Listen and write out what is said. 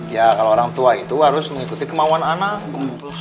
ya kalau orang tua itu harus mengikuti kemauan anak